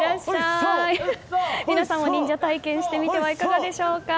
皆さんも忍者体験してみてはいかがでしょうか。